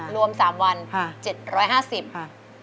รวม๓วัน๗๕๐ค่ะ